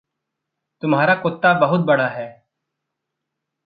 तुम्हारा कुत्ता बहुत बड़ा है।